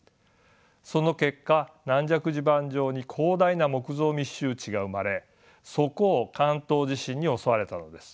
その結果軟弱地盤上に広大な木造密集地が生まれそこを関東地震に襲われたのです。